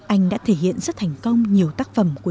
anh đã thể hiện rất thành công nhiều tác phẩm của nhạc sĩ